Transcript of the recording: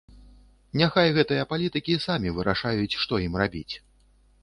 Няхай гэтыя палітыкі самі вырашаюць, што ім рабіць.